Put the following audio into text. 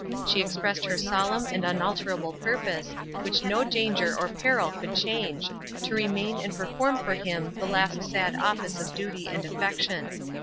She expressed her solemn and unalterable purpose, which no danger or peril could change, to remain and perform for him the last sad office of duty and affection.